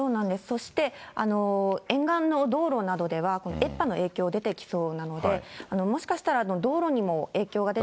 そして沿岸の道路などでは、越波の影響、出てきそうなので、もしかしたら道路にも影響出て。